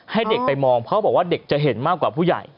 ให้เด็กไปมองเพราะบอกว่าเด็กจะเห็นมากกว่าผู้ใหญ่